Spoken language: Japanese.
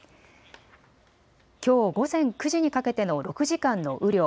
きょう午前９時にかけての６時間の雨量。